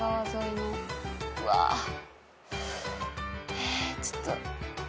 えちょっと。